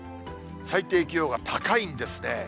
最低気温が高いんですね。